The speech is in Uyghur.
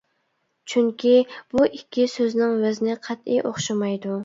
چۈنكى بۇ ئىككى سۆزنىڭ ۋەزنى قەتئىي ئوخشىمايدۇ.